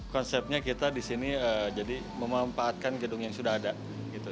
konsepnya kita disini jadi memempatkan gedung yang sudah ada gitu